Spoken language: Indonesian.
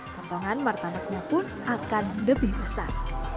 kantongan martabaknya pun akan lebih besar